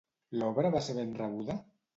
L'obra va ser ben rebuda?